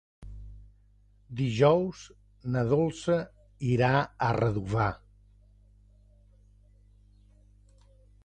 Dijous na Dolça irà a Redovà.